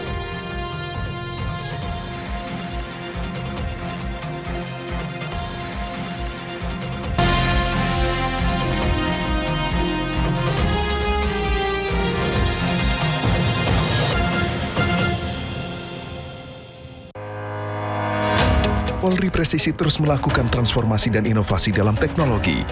hai hai hai hai hai hai polri presisi terus melakukan transformasi dan inovasi dalam teknologi